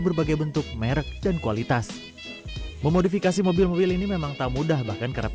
berbagai bentuk merek dan kualitas memodifikasi mobil mobil ini memang tak mudah bahkan kerap